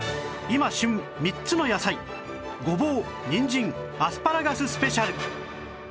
今旬３つの野菜ごぼうにんじんアスパラガススペシャル